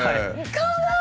かわいい！